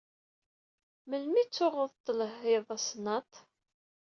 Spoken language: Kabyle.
Melmi i ttuɣed telhid asennaṭ?